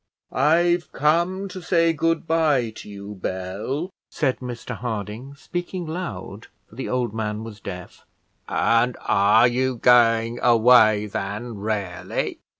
"I've come to say good bye to you, Bell," said Mr Harding, speaking loud, for the old man was deaf. "And are you going away, then, really?"